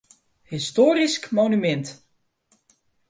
Histoarysk monumint.